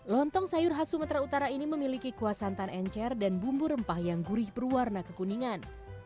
lontong sayur khas sumatera utara ini memiliki kuah santan encer dan bumbu rempah yang gurih berwarna kekuningan